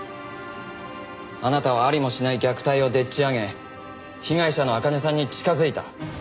あなたはありもしない虐待をでっち上げ被害者の茜さんに近づいた。